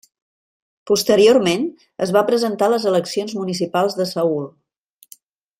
Posteriorment, es va presentar a les eleccions municipals de Seül.